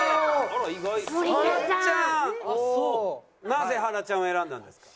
なぜはらちゃんを選んだんですか？